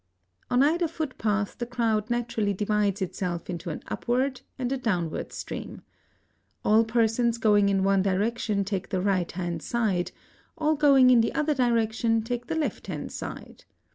On either footpath the crowd naturally divides itself into an upward and a downward stream. All persons going in one direction take the right hand side; all going in the other direction take the left hand side.